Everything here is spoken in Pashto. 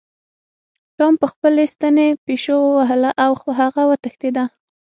ټام په خپلې ستنې پیشو ووهله او هغه وتښتیده.